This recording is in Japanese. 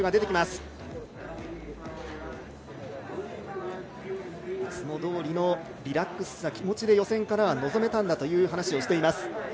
いつもどおりのリラックスした気持ちで予選から臨めたんだという話をしています。